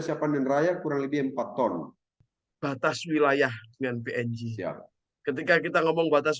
siapa meneraya kurang lebih empat ton batas wilayah dengan png ketika kita ngomong batas